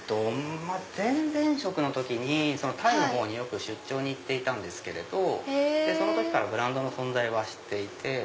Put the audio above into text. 前々職の時にタイのほうによく出張に行っていたんですけれどその時からブランドの存在は知っていて。